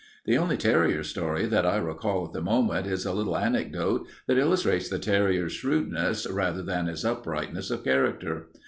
"The only terrier story that I recall at the moment is a little anecdote that illustrates the terrier's shrewdness rather than his uprightness of character.